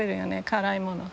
辛いもの。